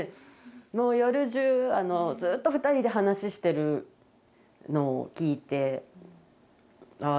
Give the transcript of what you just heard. もう夜じゅうずっと２人で話してるのを聞いてああ